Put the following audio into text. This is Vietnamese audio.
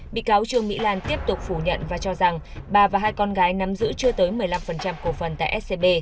bị cáo trương mỹ lan tiếp tục phủ nhận và cho rằng bà và hai con gái nắm giữ chưa tới một mươi năm cổ phần tại scb